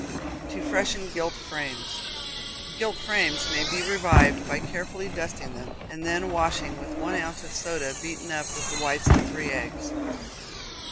To Freshen Gilt Frames. Gilt frames may be revived by carefully dusting them, and then washing with one ounce of soda beaten up with the whites of three eggs.